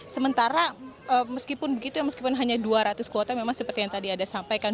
sementara meskipun begitu ya meskipun hanya dua ratus kuota memang seperti yang tadi ada sampaikan